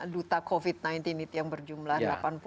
duta covid sembilan belas yang berjumlah